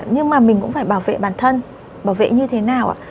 nhưng mà mình cũng phải bảo vệ bản thân bảo vệ như thế nào ạ